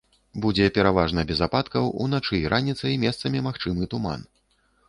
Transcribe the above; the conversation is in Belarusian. Будзе пераважна без ападкаў, уначы і раніцай месцамі магчымы туман.